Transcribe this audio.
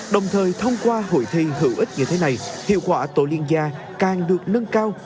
đồng thời thông qua hội thi hữu ích như thế này hiệu quả tổ liên gia càng được nâng cao